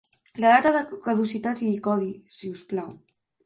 La data de caducitat i codi si us plau?